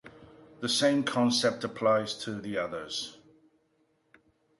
The same concept applies to the others.